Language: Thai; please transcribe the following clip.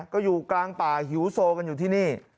ก็อยู่กลางป่าหิวโซกันอยู่ที่นี่